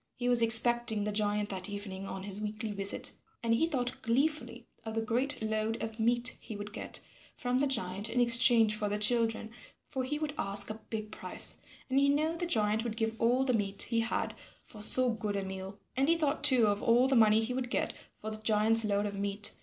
He was expecting the giant that evening on his weekly visit, and he thought gleefully of the great load of meat he would get from the giant in exchange for the children, for he would ask a big price, and he knew the giant would give all the meat he had for so good a meal. And he thought too of all the money he would get for the giant's load of meat.